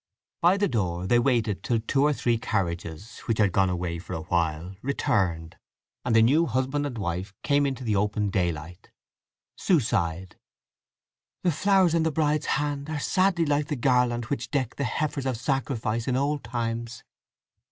By the door they waited till two or three carriages, which had gone away for a while, returned, and the new husband and wife came into the open daylight. Sue sighed. "The flowers in the bride's hand are sadly like the garland which decked the heifers of sacrifice in old times!"